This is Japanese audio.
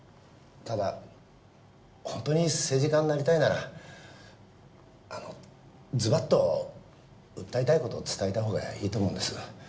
ただ本当に政治家になりたいならあのズバッと訴えたい事を伝えたほうがいいと思うんです。